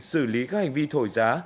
xử lý các hành vi thổi giá